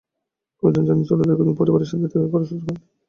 কয়েকজন জানিয়েছে, ওরা দীর্ঘদিন পরিবারের সাথে দেখা করার সুযোগ পায় না।